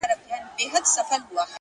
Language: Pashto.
نیک اخلاق د انسان ښکلا ده!